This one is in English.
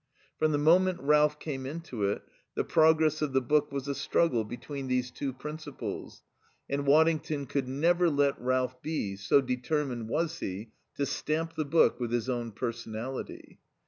From the moment Ralph came into it the progress of the book was a struggle between these two principles, and Waddington could never let Ralph be, so determined was he to stamp the book with his own personality.